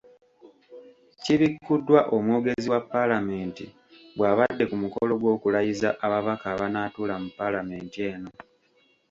Kibikuddwa omwogezi wa Paalamenti bw’abadde ku mukolo gw’okulayiza ababaka abanaatuula mu Paalamenti eno.